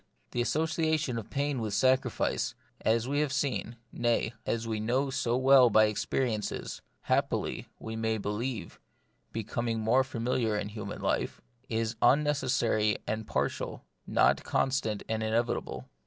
The association of pain with sacrifice, as we have seen — nay, as we know so well by experiences, happily, we may be lieve, becoming more familiar in human life — is unnecessary and partial, not constant and inevitable.